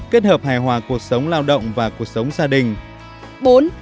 kết hợp hài hòa cuộc sống lao động và cuộc sống gia đình